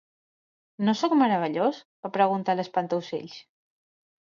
No sóc meravellós? va preguntar l'Espantaocells.